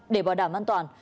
để bảo đảm an toàn